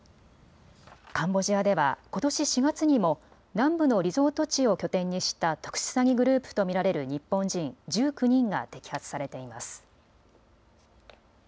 カンボジアではことし４月にも南部のリゾート地を拠点にした特殊詐欺グループと見られる日本人１９人が摘発されています。